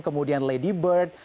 kemudian lady bird